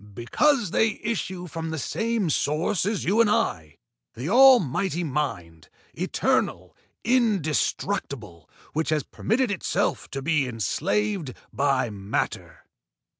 "Because they issue from the same source as you and I, the almighty mind, eternal, indestructible, which has permitted itself to be enslaved by matter.